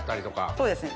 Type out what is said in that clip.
そうですね。